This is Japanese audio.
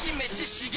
刺激！